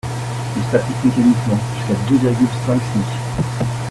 Il s’applique mécaniquement, jusqu’à deux virgule cinq SMIC.